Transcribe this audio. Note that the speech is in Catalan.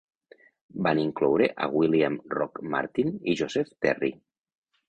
Van incloure a William "Rock" Martin i Joseph Terry.